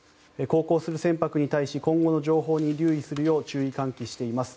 航行する船舶に対し今後の情報に留意するよう注意喚起しています。